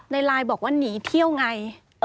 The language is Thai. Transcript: ไลน์บอกว่าหนีเที่ยวไง